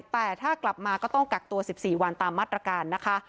แต่ถ้ากลับมาก็ต้องกักตัว๑๔วันตามมาตรการนะคะ